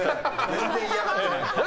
全然、嫌がってない。